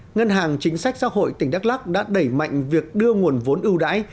ngân hàng chính sách xã hội tỉnh đắk lắc đã đẩy mạnh việc đưa nguồn vốn ưu đãi